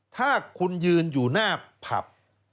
ถ้าคุณยืนอยู่หน้าผับ